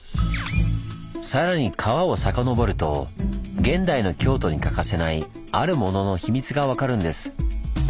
さらに川をさかのぼると現代の京都に欠かせないあるものの秘密がわかるんです。